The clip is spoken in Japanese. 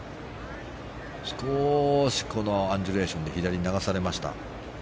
少しアンジュレーションの左に流されました。